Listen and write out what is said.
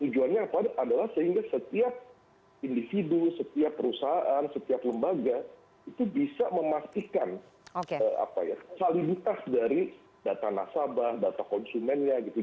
tujuannya apa adalah sehingga setiap individu setiap perusahaan setiap lembaga itu bisa memastikan validitas dari data nasabah data konsumennya gitu